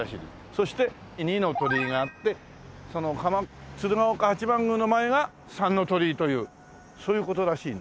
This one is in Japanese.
そして二ノ鳥居があってその鶴岡八幡宮の前が三ノ鳥居というそういう事らしい。